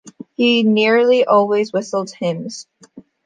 He nearly always whistled hymns.